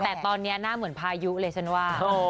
แต่ตอนนี้หน้าเหมือนพายุเลยฉันว่า